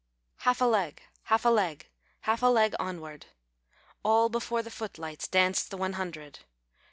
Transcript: Half a leg, half a leg. Half a leg onward. All before the foot lights Danced the one hundred.